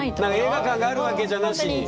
映画館があるわけじゃなしに。